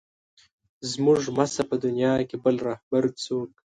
زموږ مه شه په دنیا کې بل رهبر څوک.